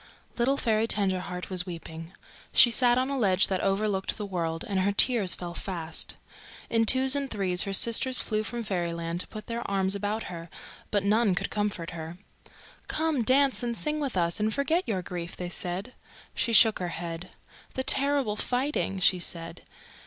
Little Fairy Tenderheart was weeping. She sat on a ledge that overlooked the world, and her tears fell fast. In twos and threes her sisters flew from Fairyland to put their arms about her, but none could comfort her. "Come, dance and sing with us and forget your grief," they said. She shook her head. "The terrible fighting!" she said.